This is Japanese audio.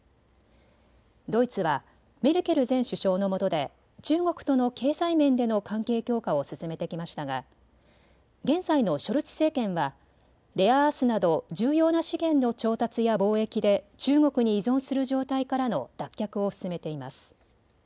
ドイツはメルケル前首相のもとで中国との経済面での関係強化を進めてきましたが現在のショルツ政権はレアアースなど重要な資源の調達や貿易で中国に依存する状態からの脱却を進めています。